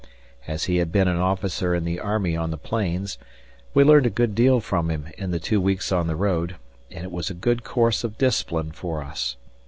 As he had been an officer in the army on the plains, we learned a good deal from him in the two weeks on the road, and it was a good course of discipline for us.